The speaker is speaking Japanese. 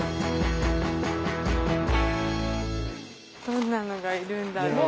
どんなのがいるんだろう？